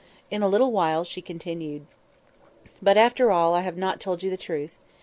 In a little while she continued— "But, after all, I have not told you the truth.